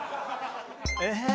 えっ？